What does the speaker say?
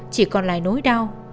chỉ còn lại nỗi đau